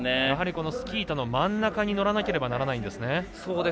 やはりスキー板の真ん中に乗らないといけないんですね。